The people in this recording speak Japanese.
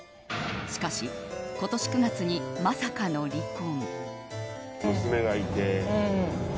しかし今年９月に、まさかの離婚。